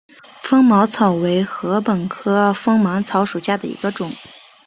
锋芒草为禾本科锋芒草属下的一个种。